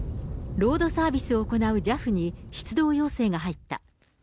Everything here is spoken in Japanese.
ロードサービスを行うＪＡＦに、出動要請が入った。